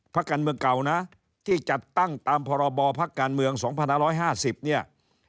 พักการเมืองเก่านะที่จัดตั้งตามพรบพักการเมือง๒๕๕๐เนี่ย